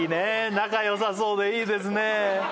仲よさそうでいいですね